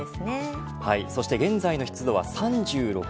そして現在の湿度は３６％。